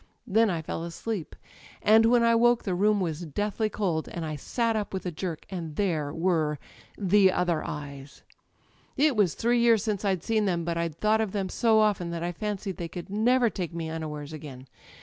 .. Then I fell asleep, and when I woke the room was deathly cold, and I sat up with a jerk â€" and there were the other eyes ... "It was three years since I'd seen them, but I'd thought of them so often that I fancied they could nei^er take me unawares again.